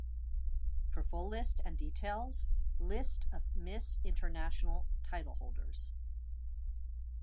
For full list and details List of Miss International titleholders.